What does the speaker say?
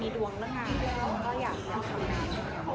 มีดวงทางงานก็อย่างนั้น